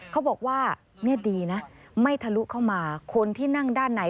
เขาบอกว่าเนี่ยดีนะไม่ทะลุเข้ามาคนที่นั่งด้านใน